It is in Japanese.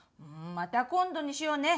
また今度にしようね！